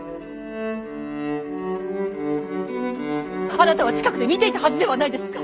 あなたは近くで見ていたはずではないですか！